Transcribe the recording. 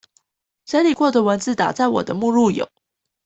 整理過的文字檔在我的目錄有